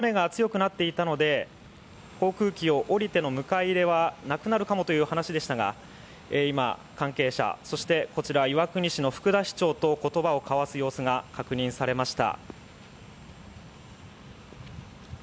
笑顔が見られますね、雨が強くなっていたので航空機を降りての迎え入れはなくなるかもという話でしたが、今、関係者、そしてこちら岩国市の福田市長と言葉を交わす様子が確認されました。